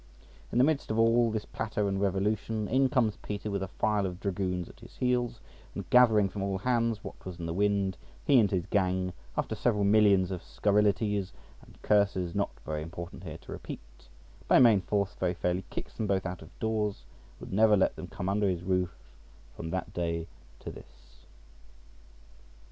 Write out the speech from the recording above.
In the midst of all this platter and revolution in comes Peter with a file of dragoons at his heels, and gathering from all hands what was in the wind, he and his gang, after several millions of scurrilities and curses not very important here to repeat, by main force very fairly kicks them both out of doors, and would never let them come under his roof from that day to this.